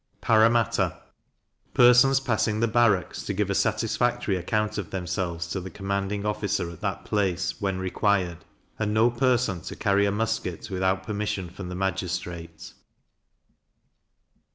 Parramatta. Persons passing the barracks to give a satisfactory account of themselves to the commanding officer at that place, when required; and no person to carry a musket without permission from the magistrate.